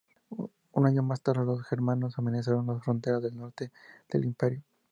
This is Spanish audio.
Un año más tarde, los germanos amenazaron las fronteras al norte del imperio.